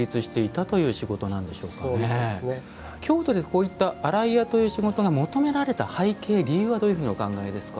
京都でこういった洗い屋という仕事が求められた背景理由はどういうふうにお考えですか。